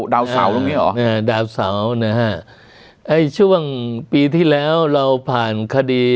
ดาวเสาตรงนี้หรอดาวเสานะฮะไอ้ช่วงปีที่แล้วเราผ่านคดี